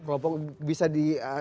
apakah bisa dikonsultasi